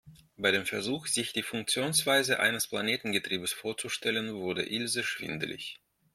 Bei dem Versuch, sich die Funktionsweise eines Planetengetriebes vorzustellen, wurde Ilse schwindelig.